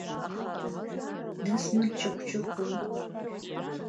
Дысмырчыхәчыхәуеи!